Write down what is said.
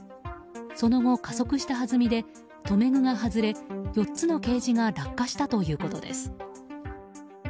その後、加速したはずみで留め具が外れ、４つのケージが落下したということです。